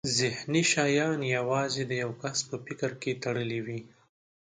ذهني شیان یوازې د یو کس په فکر تړلي وي.